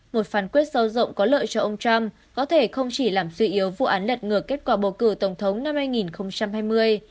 một phán quyết sâu rộng có lợi cho ông trump có thể không chỉ làm suy yếu vụ án lật ngược kết quả bầu cử tổng thống năm hai nghìn hai mươi